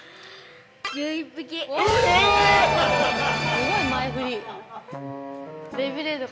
すごい前フリ。